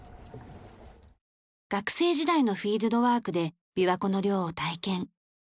学生時代のフィールドワークで琵琶湖の漁を体験。